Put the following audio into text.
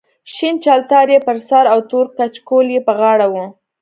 شین چلتار یې پر سر او تور کچکول یې پر غاړه و.